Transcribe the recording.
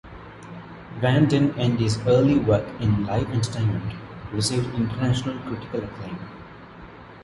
Van den Ende's early work in live entertainment received international critical acclaim.